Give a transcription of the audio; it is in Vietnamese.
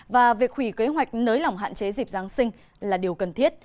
và việc hủy kế hoạch nới lỏng hạn chế dịp giáng sinh là điều cần thiết